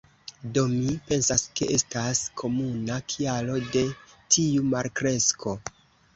Do mi pensas ke estas komuna kialo de tiu malkresko.